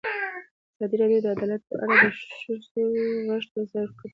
ازادي راډیو د عدالت په اړه د ښځو غږ ته ځای ورکړی.